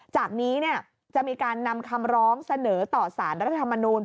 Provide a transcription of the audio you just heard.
จากนี้จะมีการนำคำร้องเสนอต่อสารรัฐธรรมนูล